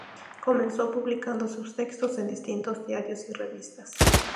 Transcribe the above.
Comenzó publicando sus textos en distintos diarios y revistas.